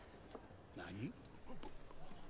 何？